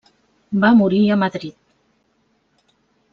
Va morir a Madrid.